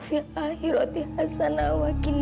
dia akan berubah menjadi seorang anak yang baik